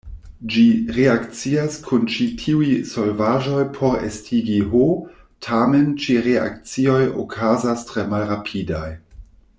Ĝi reakcias kun ĉi-tiuj solvaĵoj por estigi H, tamen, ĉi-reakcioj okazas tre malrapidaj.